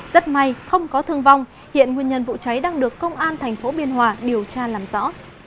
rất may không có thương vong hiện nguyên nhân vụ cháy đang được công an thành phố biên hòa điều tra làm rõ